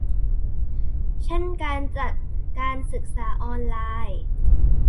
เช่นการจัดการศึกษาออนไลน์